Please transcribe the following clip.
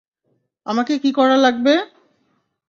আমাকে কী করা লাগবে?